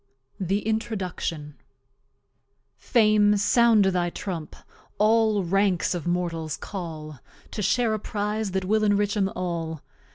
W. THE INTRODUCTION Fame Sound thy Trump, all Ranks of Mortals Call, To share a Prize that will enrich 'em All.